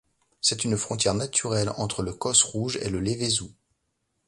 C'est une frontière naturelle entre le Causse Rouge et le Lévézou.